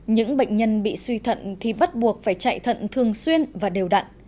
những bệnh nhân bị suy thận thì bắt buộc phải chạy thận thường xuyên và đều đặn